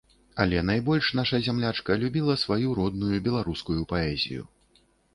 Але найбольш наша зямлячка любіла сваю родную беларускую паэзію.